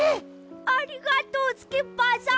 ありがとうスキッパーさん！